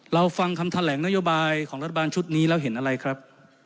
ฟังคำแถลงนโยบายของรัฐบาลชุดนี้แล้วเห็นอะไรครับ